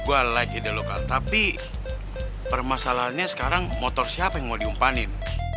gue like ide lokal tapi permasalahannya sekarang motor siapa yang mau diumpanin